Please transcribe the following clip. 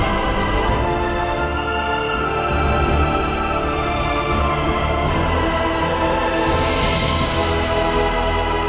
mas kamu sudah pulang